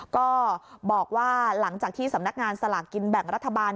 ก็บอกว่าหลังจากที่สำนักงานสลากกินแบ่งรัฐบาล